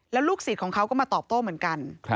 แล้วลูกศิษย์ของเขาก็มาตอบโต้เหมือนกัน